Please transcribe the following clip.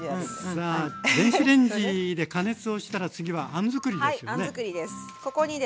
さあ電子レンジで加熱をしたら次はあん作りですよね。